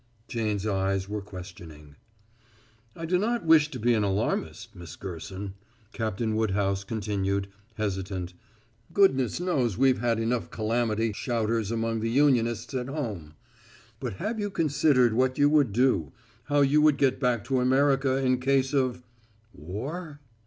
Jane's eyes were questioning. "I do not wish to be an alarmist, Miss Gerson," Captain Woodhouse continued, hesitant. "Goodness knows we've had enough calamity shouters among the Unionists at home. But have you considered what you would do how you would get back to America in case of war?"